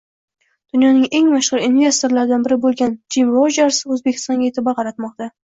Dunyoning eng mashhur investorlaridan biri bo‘lgan Jim Rojers O‘zbekistonga e’tibor qaratmoqda